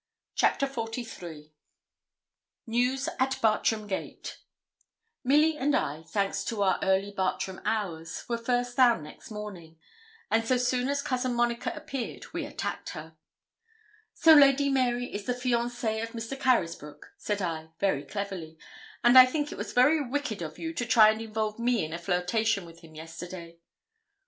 CHAPTER XLIII NEWS AT BARTRAM GATE Milly and I, thanks to our early Bartram hours, were first down next morning; and so soon as Cousin Monica appeared we attacked her. 'So Lady Mary is the fiancée of Mr. Carysbroke,' said I, very cleverly; 'and I think it was very wicked of you to try and involve me in a flirtation with him yesterday.'